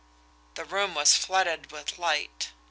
The room was flooded with light.